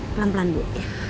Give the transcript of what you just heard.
pelan pelan bu ya